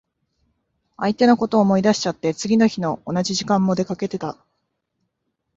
相手のこと思い出しちゃって、次の日の同じ時間も出かけてた。